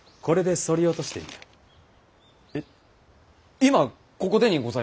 今ここでにございますか？